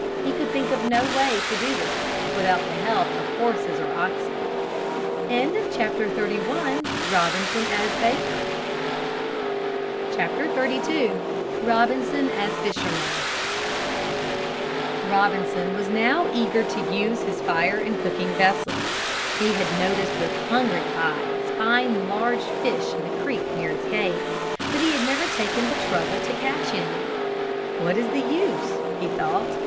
He could think of no way to do this without the help of horses or oxen. XXXII ROBINSON AS FISHERMAN Robinson was now eager to use his fire and cooking vessels. He had noticed with hungry eyes fine large fish in the creek near his cave. But he had never taken the trouble to catch any. "What is the use?" he thought.